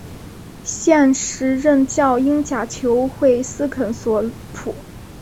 现时任教英甲球会斯肯索普。